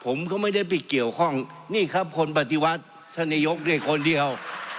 ผมก็ไม่ได้ไปเกี่ยวข้องนี่ครับคนปฏิวัติท่านนายกเรียกคนเดียว